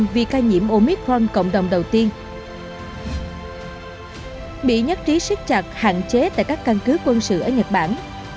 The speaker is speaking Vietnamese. bị nhắc trí sức chặt hạn chế tại các căn cứ quân sự ở nhật bản